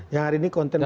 yang hari ini konten